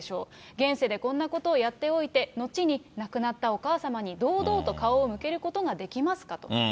現世でこんなことをやっておいて、後に亡くなったお母様に堂々と顔を向けることができますかと。